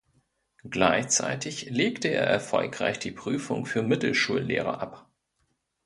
Gleichzeitig legte er erfolgreich die Prüfung für Mittelschullehrer ab.